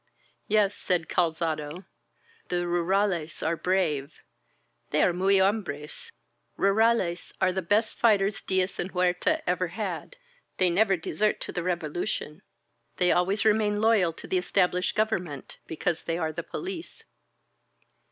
"Yes," said Calzado, "the rurales are brave. They are may hombres. Rurales are the best fighters Diaz and Huerta ever had. They never desert to the Revo lution. They always remain loyal to the established government. Because they are police."